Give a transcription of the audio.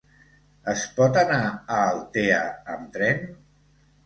Es pot anar a Altea amb tren?